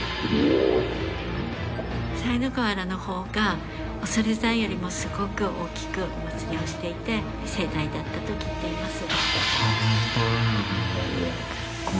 賽の河原の方が恐山よりもすごく大きくお祭りをしていて盛大だったと聞いています。